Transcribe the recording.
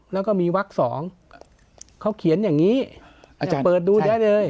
แล้วก็มีวักสองเขาเขียนอย่างนี้เปิดดูได้เลย